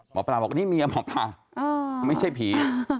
หมอปลาบอกนี่เมียหมอปลาไม่ใช่ผี